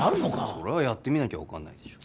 それはやってみなきゃ分かんないでしょ